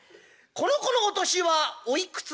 「この子のお年はおいくつで？」。